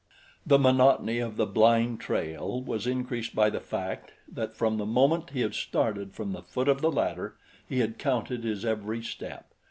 The monotony of the blind trail was increased by the fact that from the moment he had started from the foot of the ladder he had counted his every step.